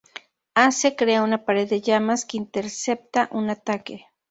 Ace crea una pared de llamas que intercepta un ataque.